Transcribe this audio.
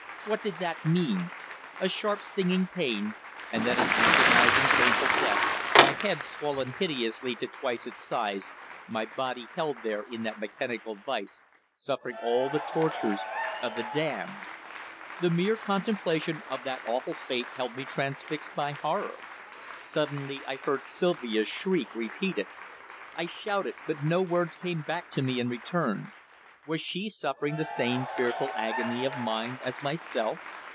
What did that mean? A sharp, stinging pain, and then an agonizing, painful death, my head swollen hideously to twice its size, my body held there in that mechanical vice, suffering all the tortures of the damned! The mere contemplation of that awful fate held me transfixed by horror. Suddenly I heard Sylvia's shriek repeated. I shouted, but no words came back to me in return. Was she suffering the same fearful agony of mind as myself?